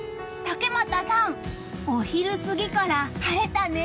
竹俣さん、お昼過ぎから晴れたね。